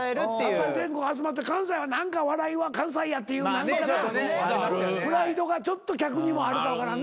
全国集まって関西は何か笑いは関西やっていうプライドがちょっと客にもあるか分からん